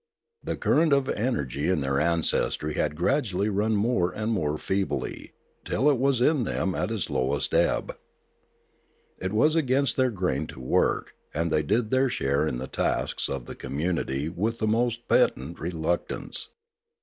The current of energy in their ancestry had gradually run more and more feebly, till it was in them at its lowest ebb. It was against their grain to work, and they did their share in the tasks of the community with the most patent reluctance.